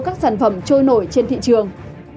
các sản phẩm trôi nổi trên thị trường